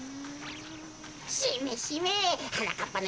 しめしめはなかっぱのやつ